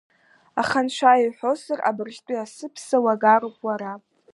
Аха Анцәа иҳәозар, абыржәтәи асыԥса уагароуп уара.